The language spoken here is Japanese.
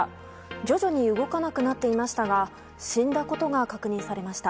徐々に動かなくなっていましたが死んだことが確認されました。